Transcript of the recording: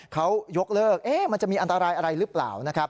เขายกเลิกมันจะมีอันตรายอะไรหรือเปล่านะครับ